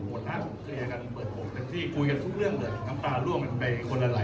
หมดนะเคลียร์กันเปิดผมเป็นที่คุยกันทุกเรื่องเลยคำตาล่วงมันเป็นคนอะไร